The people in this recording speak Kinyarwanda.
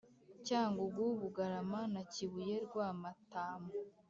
Cyangugu Bugarama na Kibuye Rwamatamu